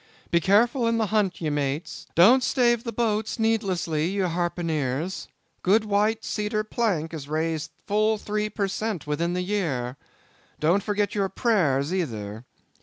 Be careful in the hunt, ye mates. Don't stave the boats needlessly, ye harpooneers; good white cedar plank is raised full three per cent. within the year. Don't forget your prayers, either.